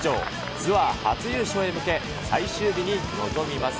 ツアー初優勝へ向け、最終日に臨みます。